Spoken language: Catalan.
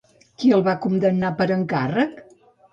Qui el va condemnar per encàrrec?